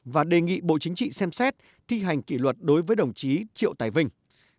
và đề nghị bộ chính trị xem xét thi hành kỷ luật đối với đồng chí triệu tài vinh